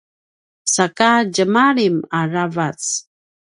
saka djemalim aravac